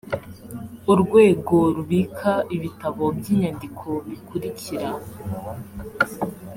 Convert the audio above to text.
urwego rubika ibitabo by inyandiko bikurikira